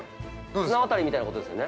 綱渡りみたいなことですよね。